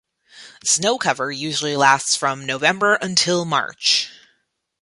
Snow cover usually lasts from November until March.